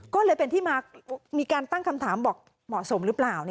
ก็เลยเป็นที่มามีการตั้งคำถามบอกเหมาะสมหรือเปล่า